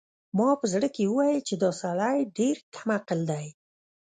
ما په زړه کې وویل چې دا سړی ډېر کم عقل دی.